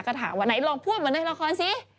ก็ถามว่าไหนลองพูดเหมือนในละครสิ